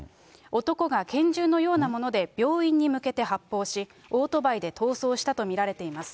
男が拳銃のようなもので病院に向けて発砲し、オートバイで逃走したと見られています。